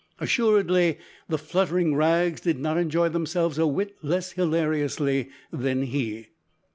Assuredly, the fluttering rags did not enjoy themselves a whit less hilariously than he.